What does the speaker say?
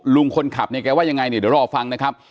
ลุงคนขับเนี่ยแกว่ายังไงเนี่ยเดี๋ยวรอฟังนะครับ